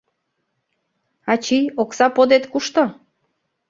— Ачий, окса подет кушто?